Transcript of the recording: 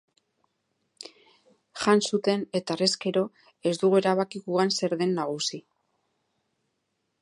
Jan zuten eta harrezkero ez dugu erabaki gugan zer den nagusi.